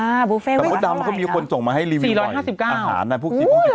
อ่าบูฟเฟ่แต่ว่าดำเขามีคนส่งมาให้สี่ร้อยห้าสิบเก้าอาหาร